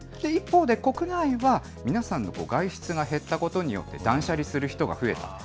一方で、国内は皆さんの外出が減ったことによって、断捨離する人が増えた。